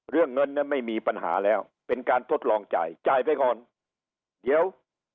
เรื่องเงินนั้นไม่มีปัญหาแล้วเป็นการทดลองจ่ายจ่ายไปก่อนเดี๋ยว